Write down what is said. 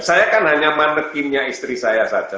saya kan hanya manekinnya istri saya saja